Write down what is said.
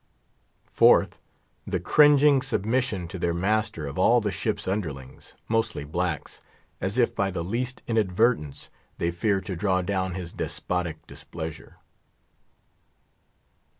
Fourth, the cringing submission to their master, of all the ship's underlings, mostly blacks; as if by the least inadvertence they feared to draw down his despotic displeasure.